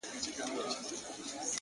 يوازې سوی يم يادونه د هغې نه راځي;;